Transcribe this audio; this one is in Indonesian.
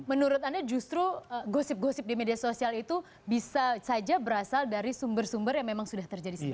menurut anda justru gosip gosip di media sosial itu bisa saja berasal dari sumber sumber yang memang sudah terjadi sebelumnya